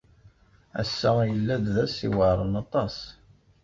Ass-a yella-d d ass iweɛṛen aṭas.